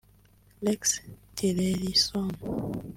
Rex Tillerson